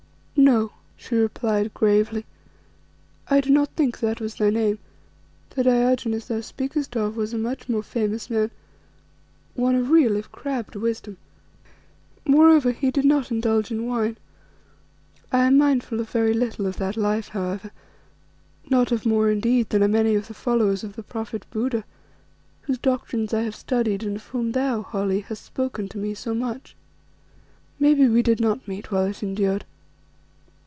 "No," she replied gravely, "I do not think that was thy name. The Diogenes thou speakest of was a much more famous man, one of real if crabbed wisdom; moreover, he did not indulge in wine. I am mindful of very little of that life, however, not of more indeed than are many of the followers of the prophet Buddha, whose doctrines I have studied and of whom thou, Holly, hast spoken to me so much. Maybe we did not meet while it endured.